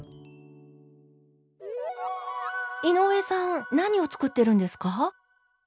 井上さん何を作ってるんですか？